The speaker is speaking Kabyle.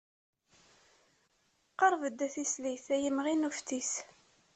Qerb-d a tislit, ay imɣi n uftis.